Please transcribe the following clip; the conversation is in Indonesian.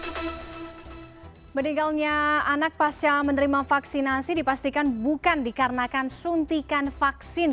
hai meninggalnya anak pasca menerima vaksinasi dipastikan bukan dikarenakan suntikan vaksin